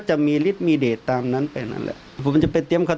ฮ่าฮ่าฮ่าฮ่าฮ่าฮ่าฮ่าฮ่า